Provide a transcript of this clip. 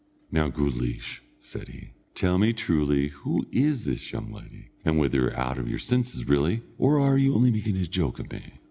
"Now, Guleesh," said he, "tell me truly who is this young lady, and whether you're out of your senses really, or are only making a joke of me."